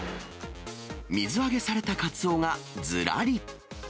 水揚げされたカツオがずらり。